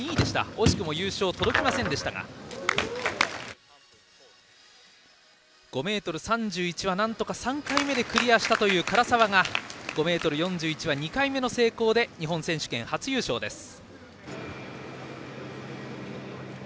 惜しくも優勝に届きませんでしたが５ｍ３１はなんとか３回目でクリアしたという柄澤が５ｍ４１は２回目の成功で日本選手権初優勝です。